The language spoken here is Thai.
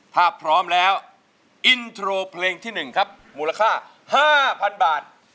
ถ้าพร้อมแล้วอินโทรเพลงที่๑ครับมูลค่า๕๐๐๐บาท